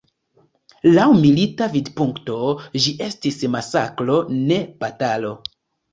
Laŭ milita vidpunkto, ĝi estis masakro, ne batalo.